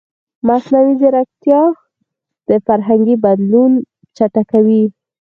مصنوعي ځیرکتیا د فرهنګي بدلون چټکوي.